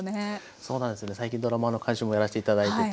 そうなんですよね最近ドラマの監修もやらせて頂いてて。